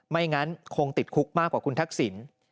ไม่งั้นคงติดคุกมากกว่าคุณทักษิณ